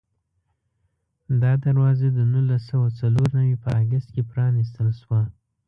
دا دروازه د نولس سوه څلور نوي په اګست کې پرانستل شوه.